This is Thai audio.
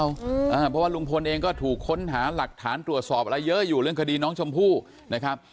เพราะว่าลุงพลเองก็ถูกค้นหาหลักฐานตรวจสอบอะไรเยอะอยู่เรื่องคดีน้องชมพู่นะครับ